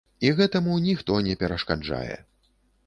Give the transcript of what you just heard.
І гэтаму ніхто не перашкаджае.